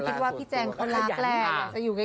ใช่ที่ตลกเพราะเล่นลูก